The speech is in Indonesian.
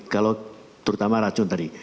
kalau terutama racun tadi